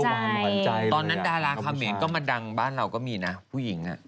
หวานใจตอนนั้นดาราเขมรก็มาดังบ้านเราก็มีนะผู้หญิงอ่ะ